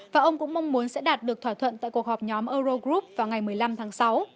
và ông cũng mong muốn sẽ đạt được thỏa thuận tại cuộc họp nhóm eurogroup vào ngày một mươi năm tháng sáu